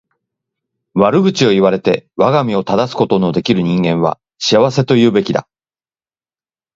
悪口を言われて我が身を正すことの出来る人間は幸せと言うべきだ。